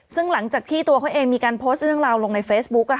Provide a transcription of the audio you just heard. ซึ่งหลังจากที่ตัวเขาเองมีการโพสต์เรื่องราวลงในเฟซบุ๊ก